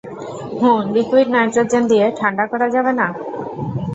হুম - liquid nitrogen দিয়ে ঠান্ডা করা যাবে না?